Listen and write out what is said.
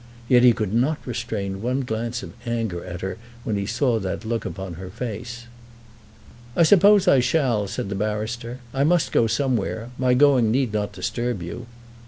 Yet he could not restrain one glance of anger at her when he saw that look upon her face. "I suppose I shall," said the barrister. "I must go somewhere. My going need not disturb you."